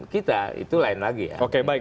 kita itu lain lagi ya oke baik